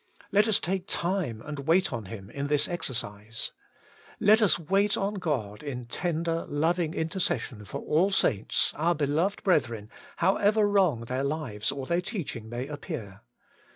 Let us take time and wait on Him in this exer cise. Let us wait on God in tender, loving intercession for all saints, our beloved brethren, however wrong their lives or their teaching may appear.